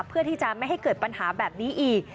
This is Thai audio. เพื่อที่จะไม่ให้เกิดปัญหาแบบนี้อีก